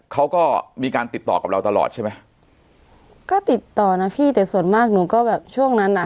เขาก็มีการติดต่อกับเราตลอดใช่ไหมก็ติดต่อนะพี่แต่ส่วนมากหนูก็แบบช่วงนั้นอ่ะ